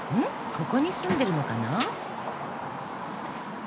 ここに住んでるのかな？